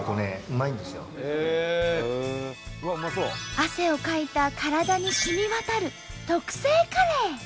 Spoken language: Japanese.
汗をかいた体にしみ渡る特製カレー！